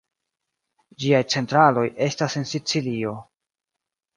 Ĝiaj centraloj estas en Sicilio.